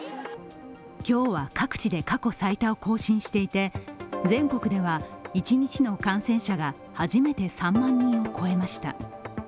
今日は各地で過去最多を更新していて全国では一日の感染者が初めて３万人を超えました。